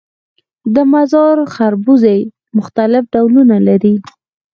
د مزار خربوزې مختلف ډولونه لري